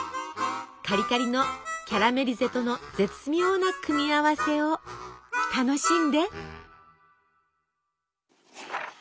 カリカリのキャラメリゼとの絶妙な組み合わせを楽しんで！